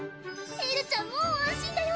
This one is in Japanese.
エルちゃんもう安心だよ！